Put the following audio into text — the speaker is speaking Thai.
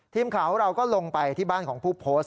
ทีมข่าวของเราก็ลงไปที่บ้านของผู้โพสต์